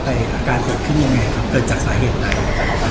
เกิดจากสาเหตุไหน